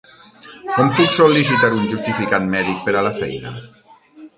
Com puc sol·licitar un justificant mèdic per a la feina?